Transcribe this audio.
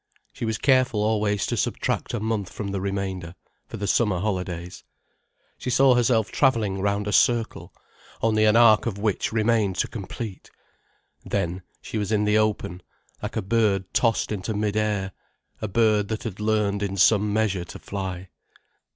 She was careful always to subtract a month from the remainder, for the summer holidays. She saw herself travelling round a circle, only an arc of which remained to complete. Then, she was in the open, like a bird tossed into mid air, a bird that had learned in some measure to fly.